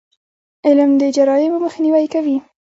علم د جرایمو مخنیوی کوي.